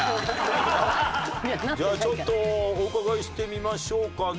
じゃあちょっとお伺いしてみましょうかね。